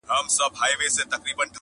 موږ د جنګونو نغارو ته نڅېدل زده کړي -